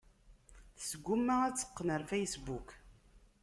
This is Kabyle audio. Tesguma ad teqqen ɣer Facebook.